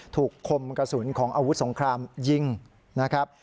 คมกระสุนของอาวุธสงครามยิงนะครับ